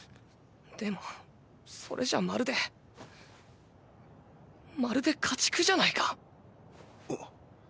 でもそれじゃまるでまるで家畜じゃないか。